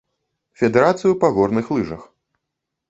Федэрацыю па горных лыжах.